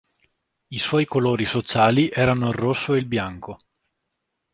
I suoi colori sociali erano il rosso e il bianco.